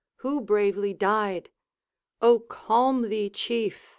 who bravely died?' 'O, calm thee, Chief!'